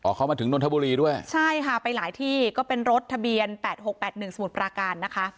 เขามาถึงนนทบุรีด้วยใช่ค่ะไปหลายที่ก็เป็นรถทะเบียน๘๖๘๑สมุทรปราการนะคะ